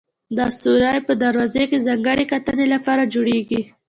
دا سورى په دروازه کې د ځانګړې کتنې لپاره جوړېږي.